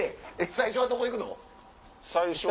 最初はどこ行くの？